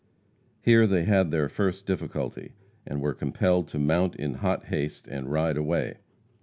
Here they had their first difficulty, and were compelled to mount in hot haste and ride away.